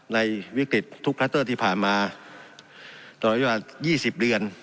ในวิกฤตทุกคลัสเตอร์ที่ผ่านมาตลอดเวลา๒๐เดือน